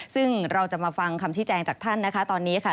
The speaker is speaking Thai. ซึ่งเราจะมาฟังคำพิจารณาจากท่านตอนนี้ค่ะ